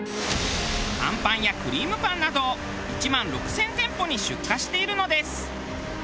あんぱんやクリームパンなどを１万６０００店舗に出荷しているのです。